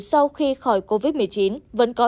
sau khi khỏi covid một mươi chín vẫn có